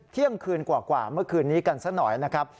เที่ยงคืนกว่าเมื่อคืนนี้กันซะหน่อยนะครับ